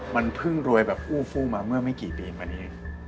มันเพิ่งรวยแบบอู้ฟู้มาเมื่อไม่กี่ปีมานี้